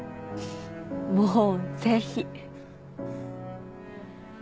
もうぜひ。